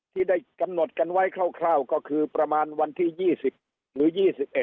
ที่ได้กำหนดกันไว้คร่าวก็คือประมาณวันที่๒๐หรือ๒๑